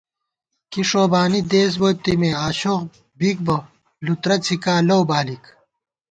کی ݭوبانی دېس بوت تېمے ، آشوخ بِک بہ لُترہ څِھکا لَؤ بالِک